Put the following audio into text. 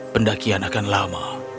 pendakian akan lama